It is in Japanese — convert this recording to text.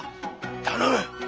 頼む！